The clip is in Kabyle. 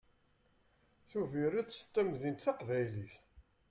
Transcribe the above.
Tubiret d tamdint taqbaylit.